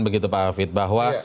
begitu pak afid bahwa